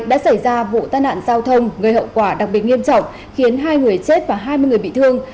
đã xảy ra vụ tai nạn giao thông gây hậu quả đặc biệt nghiêm trọng khiến hai người chết và hai mươi người bị thương